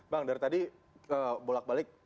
bang dari tadi bolak balik